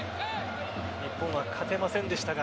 日本は勝てませんでしたが